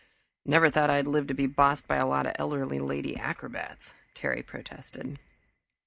"Never thought I'd live to be bossed by a lot of elderly lady acrobats," Terry protested.